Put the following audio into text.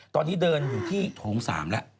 ตอนนี้เดินอยู่ที่โถง๓แล้ว